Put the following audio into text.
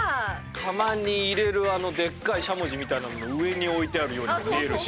窯に入れるあのでっかいしゃもじみたいなのの上に置いてあるようにも見えるし。